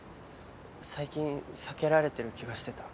最近避けられてる気がしてた。